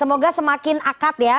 semoga semakin akad ya